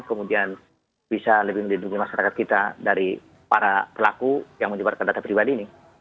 kemudian bisa lebih melindungi masyarakat kita dari para pelaku yang menyebarkan data pribadi ini